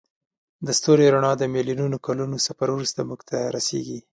د ستوري رڼا د میلیونونو کلونو سفر وروسته موږ ته رسیږي.